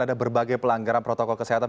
ada berbagai pelanggaran protokol kesehatan